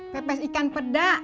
pepes ikan peda